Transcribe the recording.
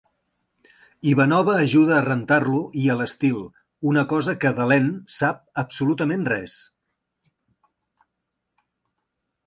Ivanova ajuda a rentar-lo i a l'estil, una cosa que Delenn sap absolutament res.